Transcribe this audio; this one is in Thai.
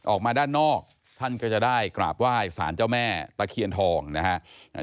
ออกมาด้านนอกท่านก็จะได้กราบไหว้สารเจ้าแม่ตะเคียนทองนะฮะ